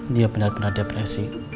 dia benar benar depresi